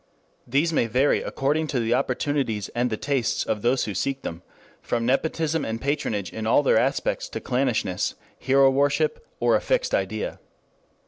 These may vary according to the opportunities and the tastes of those who seek them, from nepotism and patronage in all their aspects to clannishness, hero worship or a fixed idea.